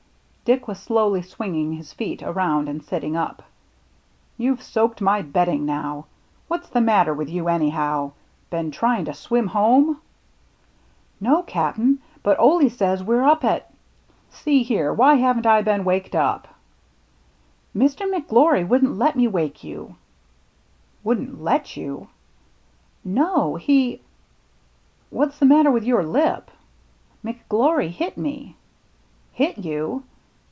Dick was slowly swinging his feet around and sitting up. "You've soaked my bedding now. What's the matter with you anyhow ? Been trying to swim home ?" "No, Cap'n, but Ole says we're up at —"" See here, why haven't I been waked up ?"" Mr. McGlory wouldn't let me wake you." "Wouldn't let you?" "No, he —"" What's the matter .with your lip ?"" McGlory hit me." " Hit you